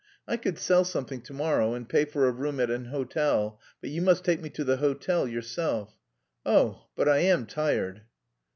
I could sell something to morrow and pay for a room at an hotel, but you must take me to the hotel yourself.... Oh, but I am tired!"